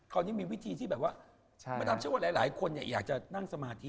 คราวนี้มีวิธีที่แบบว่ามะดำเชื่อว่าหลายคนอยากจะนั่งสมาธิ